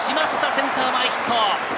センター前ヒット！